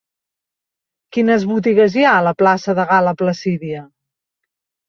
Quines botigues hi ha a la plaça de Gal·la Placídia?